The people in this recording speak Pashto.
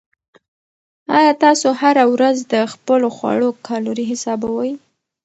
آیا تاسو هره ورځ د خپلو خواړو کالوري حسابوئ؟